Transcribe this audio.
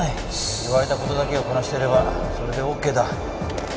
言われたことだけをこなしてればそれで ＯＫ だ